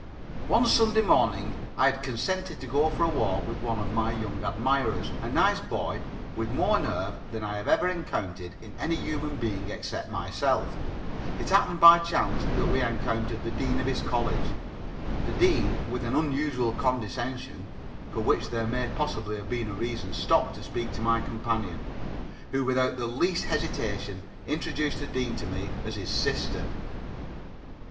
One Sunday morning I had consented to go for a walk with one of my young admirers a nice boy, with more nerve than I have ever encountered in any human being except myself. It happened by chance that we encountered the Dean of his college. The Dean, with an unusual condescension for which there may possibly have been a reason stopped to speak to my companion, who without the least hesitation introduced the Dean to me as his sister.